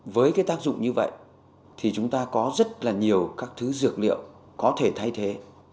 với cái tác dụng như vậy thì chúng ta có rất là nhiều các thứ dược liệu có thể thay thế